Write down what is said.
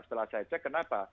setelah saya cek kenapa